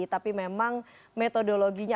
tapi memang metodologinya